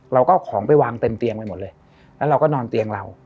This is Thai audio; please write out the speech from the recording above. เราก็เอาของไปวางเต็มเตียงไปหมดเลยแล้วเราก็นอนเตียงเรา